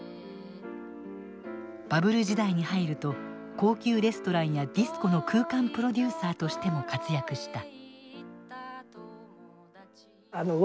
バブル時代に入ると高級レストランやディスコの空間プロデューサーとしても活躍した。